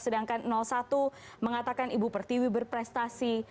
sedangkan satu mengatakan ibu pertiwi berprestasi